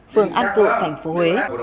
phường an cựu thành phố huế